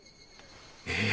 え